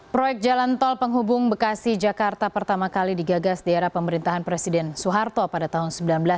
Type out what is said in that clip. proyek jalan tol penghubung bekasi jakarta pertama kali digagas di era pemerintahan presiden soeharto pada tahun seribu sembilan ratus sembilan puluh